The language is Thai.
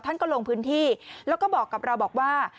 ท่านก็ลงพื้นที่แล้วก็บอกกับเราบอกว่า